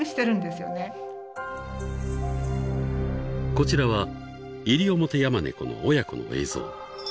［こちらはイリオモテヤマネコの親子の映像］